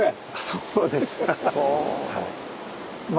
そうです。